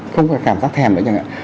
không có cảm giác thèm nữa chẳng hạn